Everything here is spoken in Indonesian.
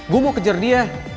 gue mau kejar dia